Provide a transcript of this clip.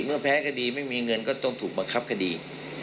แพ้คดีไม่มีเงินก็ต้องถูกบังคับคดี